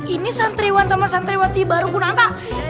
ini santriwan sama santriwati baru punanta